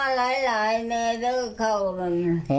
อยากได้เขาหลาย